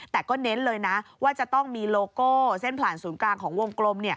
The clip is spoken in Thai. แต่ก็เน้นเลยนะว่าจะต้องมีโลโก้เส้นผ่านศูนย์กลางของวงกลม